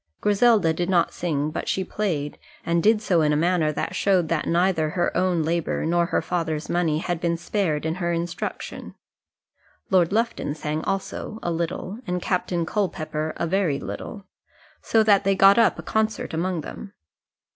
Griselda did not sing, but she played; and did so in a manner that showed that neither her own labour nor her father's money had been spared in her instruction. Lord Lufton sang also, a little, and Captain Culpepper a very little; so that they got up a concert among them.